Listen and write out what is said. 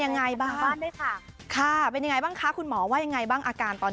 การหัวผ่านทางหน้าก็เหมือนกัน